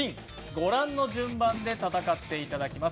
ご覧の順番で戦っていただきます。